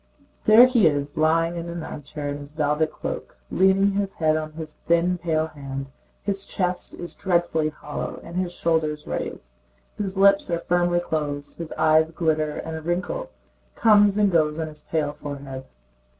There he is lying back in an armchair in his velvet cloak, leaning his head on his thin pale hand. His chest is dreadfully hollow and his shoulders raised. His lips are firmly closed, his eyes glitter, and a wrinkle comes and goes on his pale forehead.